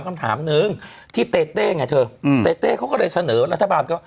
คำถามหนึ่งที่เต้เต้ไงเธออืมเต้เต้เขาก็เลยเสนอรัฐบาลก็